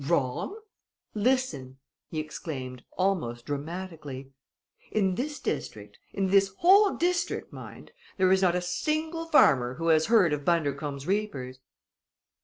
"Wrong? Listen!" he exclaimed, almost dramatically. "In this district in this whole district, mind there is not a single farmer who has heard of Bundercombe's Reapers!"